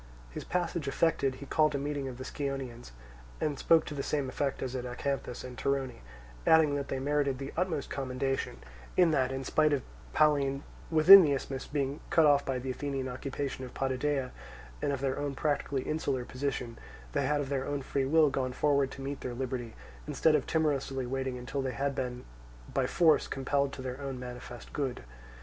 His passage effected, he called a meeting of the Scionaeans and spoke to the same effect as at Acanthus and Torone, adding that they merited the utmost commendation, in that, in spite of Pallene within the isthmus being cut off by the Athenian occupation of Potidæa and of their own practically insular position, they had of their own free will gone forward to meet their liberty instead of timorously waiting until they had been by force compelled to their own manifest good.